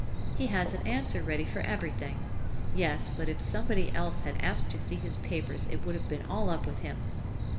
He has an answer ready for everything. Yes, but if somebody else had asked to see his papers it would have been all up with him!"